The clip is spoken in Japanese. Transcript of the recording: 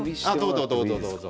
どうぞどうぞどうぞ。